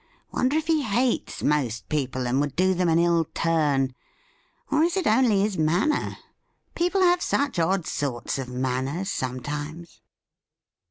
Wonder if he hates most people, and would do them an ill turn— or is it only his manner ? People have such odd sorts of manners some times.'